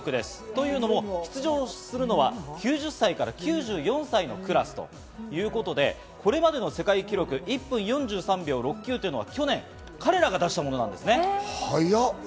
というのも出場するのは９０歳から９４歳のクラスということで、これまでの世界記録１分４３秒６９というのが去年、彼らが出し速っ！